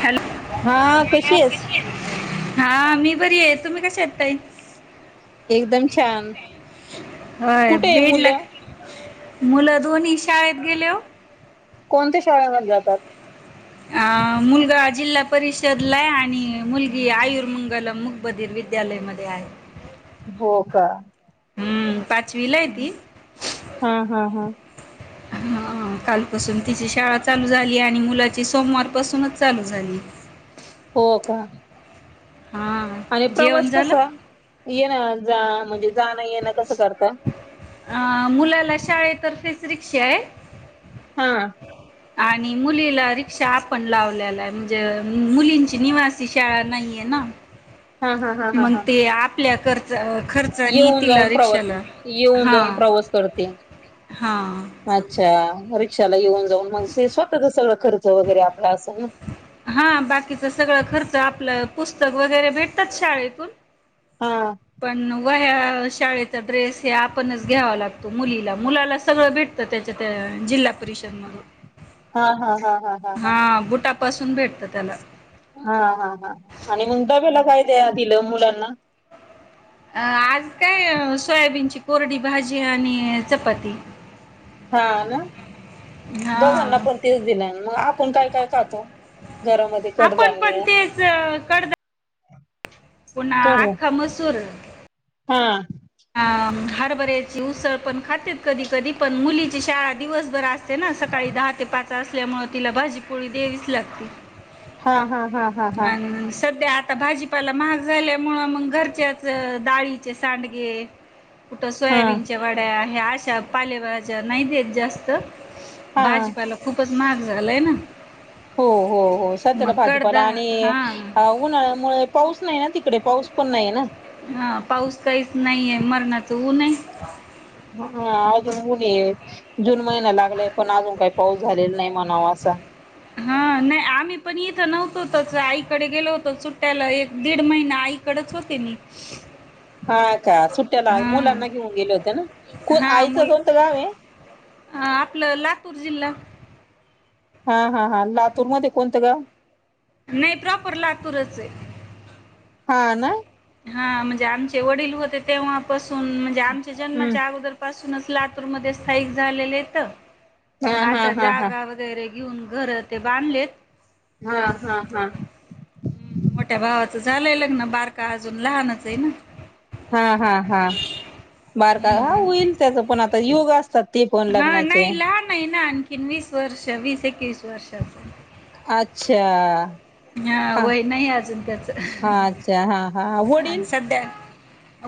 Hello हा कशी आहेस? हा मी बरी आहे. तुम्ही कशा आहात ताई? एकदम छान. होय कुठे आहे बीड ला मुलं? मुलं दोन्ही शाळेत गेलो ओ कोणत्या शाळेमध्ये जातात. अ मुलगा जिल्हा परिषदला आणि मुलगी आयुर्गलम मुग बधीर विद्यालयमध्ये आहे बोका. हम्म पा हा हा हा. हा कालपासून तिची शाळा चालू झाली, आणि मुलाची सोमवारपासूनच चालू झाली. हो का. हा आणि जेवण प्रवास झालं कसा येणार. जा म्हणजे. जाण येन कसं करता. मुलाला शाळेतर्फेच रिक्षा आहे. हा. शहा पण आपण लावलेला आहे. म्हणजे मुलींची निवासी शाळा नाहीये ना. हा हा हा हा हा. प्ले कर येऊन जाऊन प्रवास येऊन हा जाऊन, प्रवास करते हा अच्छा चला येऊ. जाऊन मग स्वतःचा सगळा खर्च खर्च वगैरे आपला असं ना. हा बाकीचा सगळा खर्च आपला पुस्तक वगैरे भेटतात शाळेतून. हा पण वह्या शाळेचा ड्रेस हे आपणच घ्यावा लागतो, मुलीला मुलाला सगळं भेटतं त्याच्या त्या जिल्हा पुरीशर्मग हा बुटापासून भेट. त त्याला. हा हा हा आणि मुंटाबेला काय हॅलो मुलांना. अ आज काय सोयाबीनची कोरडी भाजी, आणि चपाती. हा ना हा दोघांना पण तेच दिलय मग आपण काय काय खातो, घरामध्ये आपण पण कडधान्य. तेच कडदा पुन्हा कड आक्का मसूर. हा. हरबऱ्याच्या उसळ पण खातेेत कधी कधी पण मुलीची शाळा दिवसभर असं. ते ना सकाळी दहा ते पाच. एकटा असल्यामुळे तिला भाजी पुोळी दयावीच लागते. हा हा हा हा हा अ सध्या आता भाजीपाला महाग. महाग झाल्यामुळे मग घरच्याच डाळीचे सांडगे. घे कुठं हा सोयाबीनच्या वड्या मी अशा पालेभाज्या नाइ देत जास्त हा भाजीपाला खूपच महाग झालाय ना. हो हो हो मग सध्याला कडदा भाजीपाला आणि हां उन्हाळ्यामुळे पाऊस नाइ ना तिक तिकडे पाऊस पण नाया ना. हा पाऊस काहीच नाइ याय मरणाच ऊन हाय. हा अजून [unintelligible] जून जून महिना लागलाय पण अजून काय पाऊस झालेला नाइ मनाव असा. हा नाइ आम्ही पण येत इथं नव्हतो तच आईकडे गेलो हो सुट्ट्याला एक दीड महिना आईकडच होते मी. हा का सूट्याला मुलानां घेऊन गेल्या होत्या ना. कोण हा आईचं मुल कोणतं गाव आहे अ आपलं लातूर जिल्हा हा हा हा लातूर मध्ये कोणतं गाव? नाही प्रॉपर लातूरच आहे. हा ना. हा म्हणजे आमचे वडील होते तेव्हापस म्हणजे आमच्या हम्म जन्माच्या अगोदर पासुन म्हणूनच लातूरमध्ये स्थायिक झालेलेत हा मग हा आता हा हा जागा वगरे घेऊन घरं ते बांधलेत हा हा हा मोठ्या भावाचं झालंय लग्न बारका अजून लहानच हाय ना. हा हा हा बारका हा हम्म. होईल तेज पण आत ती योग असतात. ते पण हा लग्नाचे नाही लहान नाही ना आ कीन वीस वर्ष वीस एकवीस वर्ष अस अच्छा. हा वय नाइ अजून त्याच हा अच्छा हा हा आणि वडील सध्या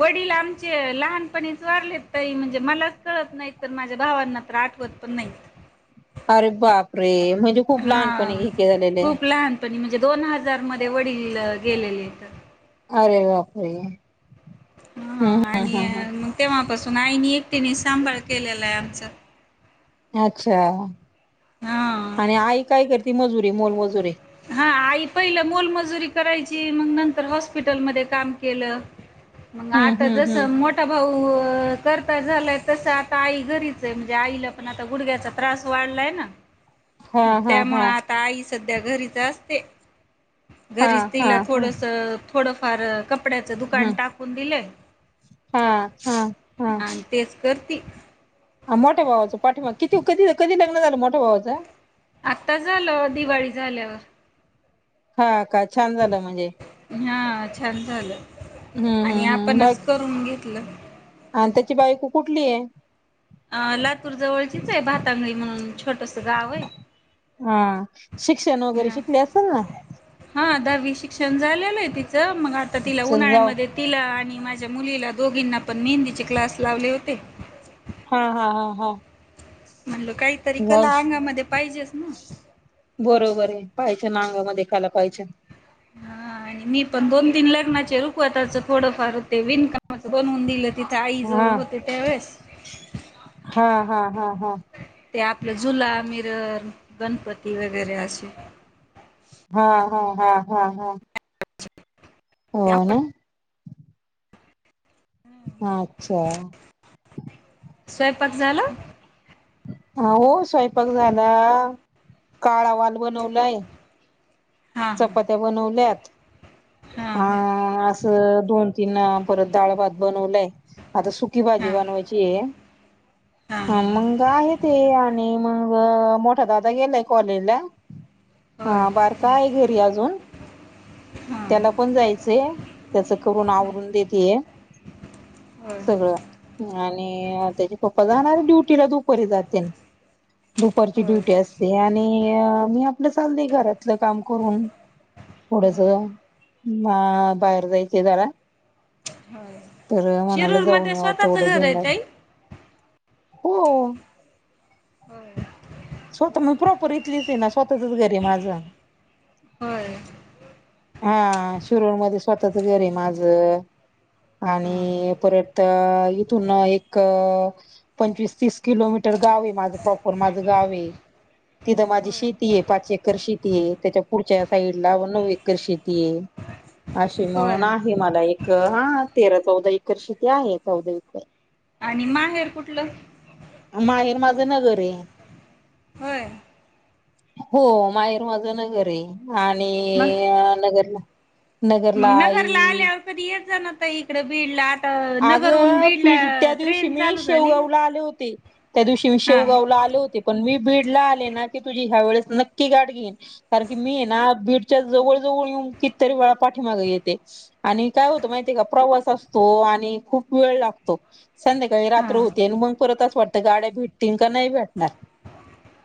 वडील आमचे लहानपणीच वारलेत ताई म्हणजे मलाच कळत नाइ तर माझ्या भावांना तर आठवत पण नाइ. अरे बाप रे. हा आ खूप लहानपणी म्हणजे दोन हजार मध् ते वडील लं गेलेलेत अरे बापरे. हा हम्म आणि हम्म य हम्म म तेव्हापासून त आईने एकटीने सांभाळ केलेलाय आमचा अच्छा. हा आणि आई काय करते? ती मजुरी मोलमजुरी हा आई पहिलं मोलमजुरी करायची मग नंतर हॉस्पिटलमध्ये काम केलं. मग हम्म आता हम्म जस हम्म मोठा भाऊ करता झालाय तसं आता आई घरीच आहे, म्हणजे आईला पण आता गुडघ्याचा त्रास वाढलाय ना! हा हा त्यामुळ हा आता आई सध्या घरी जास्ते हा घरीच हा तीला हा थोडस थोडंफार कप कपड्याचं ह दुकान टाकून दिलंय हा हा आणि तेच करती ती हा मोठ्या भावाच पाठीमाग किती कधी कधी लग्न झालं मोठ्या भावाचं? आता झालं दिवाळी झाल्यावर. हा का छान झालं म्हणजे हा छान झालं हम्म आणि हम्म हम्म आपणच बाकी करून घेत- लं आणि त्याची बायको कुठलीय? अ लातूर जवळचीच आहे भातांगळी म्हणून छोटस गाव आहे. हा शिक्षण वगैरे हा शिकली असल ना. हा दहावी शिक्षण झालेलय ती- च मग आता तिला चल जाऊ उन्हाळ्यामध्ये तिला आणि माझ्या मुलीला दोघींना पण मी हिंदीचे क्लास लावले होते. हा हा हा हा म्हणल काहीतरी जाऊ कला अंगामध्ये पाहिजेच ना. बरोबर पाहिजे ना आंगामध्ये कला पाहिजे. हा आणि मी पण दोन तीन लग्नाचे रुखवताच थोडंफार होते विणकामाच बनवून दिलं तिथे आई हा जवळ होते त्यावेळेस हा हा हा हा ते आपल झुला, मिरर, गणपती वगैरे असे हा हा हा हा हा हो ना अच्छा स्वयंपाक झाला? हा हो स्वयंपाक झाला. काळा वाल बनवलाय. हां चपात्या बनवल्यात. हां. अ दोन, तीन अ परत डाळ भात बनवलाय. आता सुकी भाजी हां हां बनवायची हे हां आण मंग आहे ते आणि मग मोठा दादा येल कॉलेजला. होय हा बारका ये. ती आजून हां त्याला पण जायचंय त्याच करून आवरून देतेय होय सगळं आणि त्याचे पप्पा जाणार ड्यटीला दुपारी जातेन. दुपारची होय ड्युटी असते आणि अ मी आपलं घरातलं काम. करून पुढच हां अ बाहेर जायचे जरा. हो तर मनाला जाऊन शिरूरमध्ये यावं स्वतःच तेवढं घरे जुन्नर ताई? हो. होय स्वतः म प्रॉपर इथलीच हे ना स्वतःचच घर आहे माझं. होय हा शिरोर मध्ये स्वतःच घर हे माझ हा. आणि परत इथून एक पंचवीस अ तीस किलोमीटर गाव आहे माझ प्रॉपर माझ गाव तिथं माझी होय शेती हे पाच एकर शेती हे त्याच्या पुढच्या साईडला नऊ करशेती. हे अशी नळन होय आहे मला एक हा तेरा चौदा एकरशीती आहे चौदा इकर. आणि माहेर कुठलं? माहेर माझं नगर हे. व्हय. हो माहेर माझ नगर हे. आणि मग अ नगर ह [unintelligible] मग नगर ला आल्यावर कधी येत जाण. इकडे बिडला अग बिड त्या दिवशी मी चालू झाली ना शेवगावला आले होते. त्या दिवशी मी हा शेवगावला आले होते. पण मी बीडला आले ना की तुझी ह्या वेळेस नक्की गाठ घेते कारण की मी हे ना बीडच्या जवळ जवळ येऊन कितरी वेळा पाठीमाग येते आणि काय होत माहितीय हे का प्रवास असतो आण पण आणि खूप वेळ लागतो संध्याकाळी हा रात्र होते आणि मग परत असं वाटतं गाड्या भेटतील का नाही भेटणार.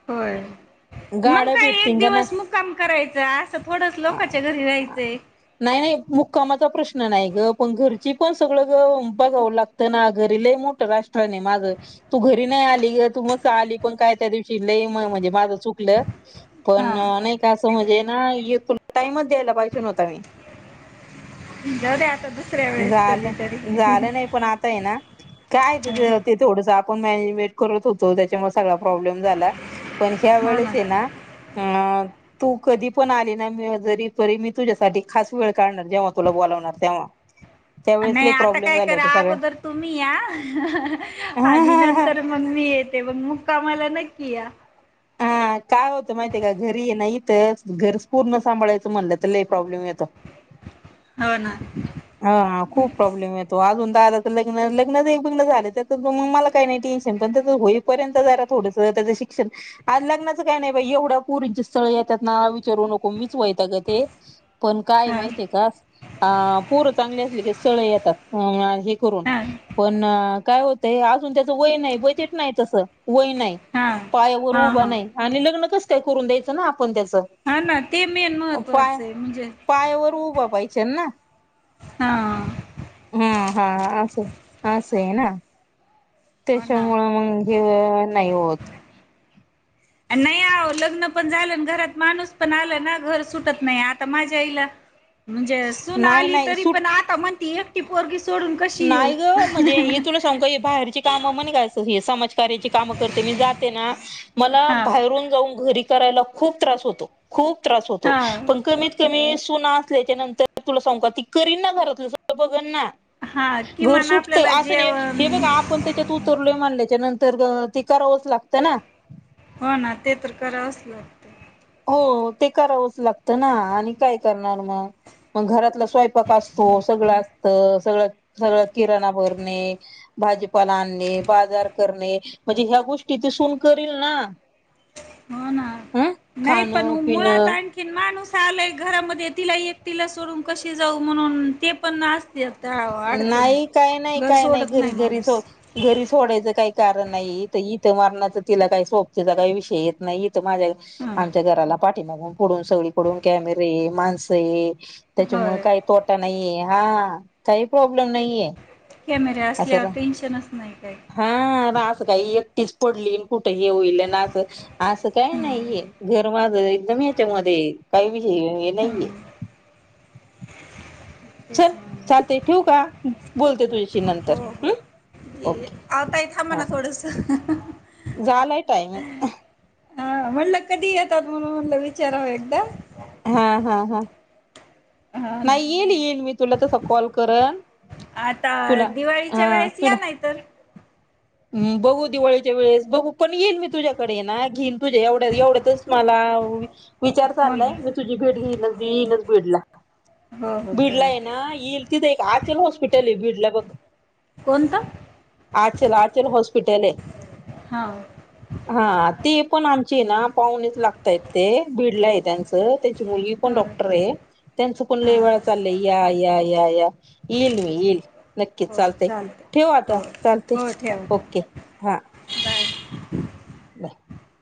होय मग गाड्या काय एक भेटतील का दिवस नाही. मुक्काम करायचं असं थोडंच लोकांच्या घरी राहायचंय. कामाचा प्रश्न नाही ग पण घरची पण सगळं. बघावं लागत ना घरी लई मोठं राष्ट्रन हे माझ तू घरी नाही आली ग मस्त आली पण काय तरी [unintelligible] दिवशी लई म्हणजे माझ चुकलं पण हा नाही का असं म्हणजे ना तुला टाइमच दयाल पाहीजे होता मी. जावूद्या. झालंय झालं नाही पण आता आहे ना, काय तीज ते थोडस आपण मॅनेजमेंट करत होतो त्याच्यामुळे सगळा प्रॉब्लेम झाला. पण ह्या वेळेस हे ना. अ तू कधी पण आली ना मी जरी परी मी तुझ्यासाठी खास वेळ काढणार जेव्हा तुला बोलावणार तेव्हा. ह [inaudible] नाही आता काय करा अगोदर तुम्ही या आणि हा नंतर मगं मी येते मगं मुक्क काम आलं न कि या. हा काय होतं माहितीय का, घरी ये ना इथं घर पूर्ण सांभाळायचं म्हणलं त लय प्रॉब्लेम येतो. हो ना. हां हां खूप प्रॉब्लेम येतो अजून दादांच लग्नं लग्नच एक [unintelligible] झालं त मग मला काय नाई टेन्शन, पण तथलोग होईपर्यंत जरा थोडस त्याच शिक्षण आज लग्नाचं काय नाय बाई एवढं पोरींचे स्थळ येत्यात ना विचारू नको मीच वयतागते पण काय हां माहितीय का आ पोर चांगली असले की सगळे येतात अ हे करून हां पण, अ काय होतंय अजून त्याच वय नाय बजट नाय तसं वय नाय. हां पायावर हां उभा हां नाई आणि लग्न क कसं काय करूंन द्यायचं ना आपण त्याच? हा ना ते मेन महत्त्वाचं आहे म्हंजे त्यांना. हां. हा हा असं असयना. हो ना त्याच्यामुळ मंग [unintelligible] हो नाही होत. अन नाई आवो लग्न पण झाल न घरात माणूस पण आल ना घर सुटत नाई आता, माझ्या आईला म्हंजे अ सून नाही आली नाही तरी सुट पण, आता म्हणती एकटी पोरगी सोडून कशी येऊ नाही ग म्हजे हे तुला सांगू का हे भाहेरचे काम म निघायचं हे समाजकार्याची कामं करते मी जाते ना मला हा भाहेरून जाऊन घरी करायला खूप त्रास होतो. खूप त्रास होतो हा पण, कमीत कमी सुना असल्याच्या नंतर तुला सांगु का, ती करीन ना घरातलं सगळं बघन ना. हा घर किमान सुटतं आपल्याला असं नाई हे बघ, जेवण आपण त्याच्यात उतरलोय म्हनल्या च च्यानंतर ते अ करावंच लागतं ना. हो ना ते तर करावचं लागतं. हो हो ते करावंच लागतं ना आणि काय करणार मगं, मग घरातला स्वयंपाक असतो सगळं असत. सगळं सगळ किराणा भरणे, भाजीपाला आणणे, बाजार करणे म्हजे ह्या गोष्टी ते सून करील ना हो ना हम्म. नाही पण मुळात आणखीन माणूस [unintelligible] घरांमध्ये तिला एकटिला सोडून कशी जाऊ म्हणून ते पण आस नाई काय नाय काय नाय सोडत घरी नाही घरी माणूस सो घरी सोडायचं काय. कारण नाई इथ इथं मरणाच तिला काय सोबतीचा काही विषय येत नाही, इथं माझ्या हां आमच्या घराला पाठीमागून पुढून सगळी कडून कॅमेरे ये माणसं ये. त्याच्यामुळे होय काय प्रोब [unintelligible] नाई ए हां हां. काही प्रॉब्लेम नाहीये. कॅमेरे असं आसल्यावर रा टेन्शनच नाहीं काई. क काय एकटीच पडलीय कुठं हे होईल अन असं, असं काय हं, नाईये, घर माझं एकदम हेच्यामध्ये य काही विषय हे नाहीये. हं. तेच चल चालतय म्हणलं ठेव का? बोलते तुझ्याशी नंतर हम्. ओके आव ताई थांबाना थोडसं. झालंय टायमिंग म्हणलं कधी येतात म्हणून म्हणलं विचारावं एकदा. हा हा हा हा ना नाही येईल येईल मी. तुला तस कॉल करन. आता तुला दिवाळीच्या वेळेस या नाही तर म बघू दिवाळीच्या वेळेस बघू पण येईल मी तुझ्याकडे ना घेईन तुझ्या एवढ्या एवढ्यातच मला अ विचार हो चाललाय ना मी तुझी भेट घेयीनच. येयीनच भीडला. हो हो बिडलाय चालते ना येईल तिथं एक आज हॉस्पिटल आहे बीडला बघ. कोणतं? आचला सर्व हॉस्पिटल आहे. हा हा ते पण आमचे ना पाहुणेच लागताय ते भिडलंय त्यांचं त्यांची मुलगी पण हो डॉक्टर आहे. त्यांचं कोण ल हां वळा चाललंय या या या या येईल मी येईल. नक्कीच हो चालतय चालते ठेव आता हो चालते हो ओके हा. ह [unintelligible]